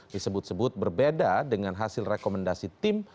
disebut sebut berbeda dengan hasil rekomendasi tim